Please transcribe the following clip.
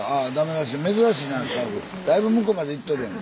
だいぶ向こうまで行っとるやん。